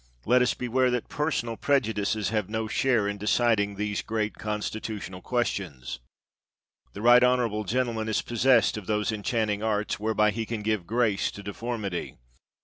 Let us beware that personal prejudices have no share in deciding these great constitutional ques tions. The right honorable gentleman is pos sessed of those enchanting arts whereby he can give grace to deformity